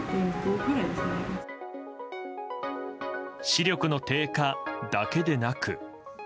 視力の低下だけでなく。